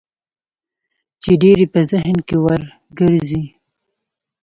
چې ډېر يې په ذهن کې ورګرځي.